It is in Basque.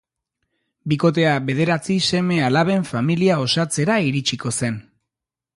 Bikotea bederatzi seme‐alaben familia osatzera iritsiko zen.